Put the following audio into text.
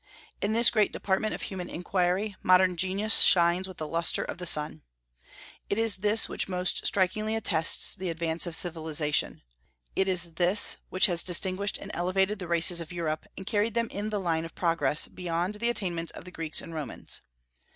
In this great department of human inquiry modern genius shines with the lustre of the sun. It is this which most strikingly attests the advance of civilization. It is this which has distinguished and elevated the races of Europe, and carried them in the line of progress beyond the attainments of the Greeks and Romans.